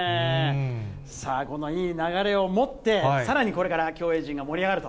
さあ、このいい流れをもって、さらにこれから競泳陣が盛り上がると。